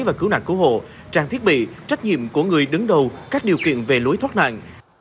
và cứu nạn cứu hộ trang thiết bị trách nhiệm của người đứng đầu các điều kiện về lối thoát nạn